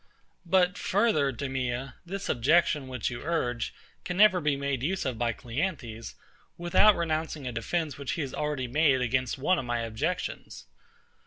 But further, DEMEA; this objection which you urge can never be made use of by CLEANTHES, without renouncing a defence which he has already made against one of my objections.